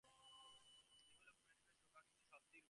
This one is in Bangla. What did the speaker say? নীলু লক্ষ্য করল মেয়েটি বেশ রোগা কিন্তু সত্যিই রুপসী।